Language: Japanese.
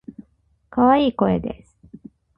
可愛い声です。